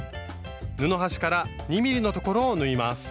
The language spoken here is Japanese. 布端から２ｍｍのところを縫います。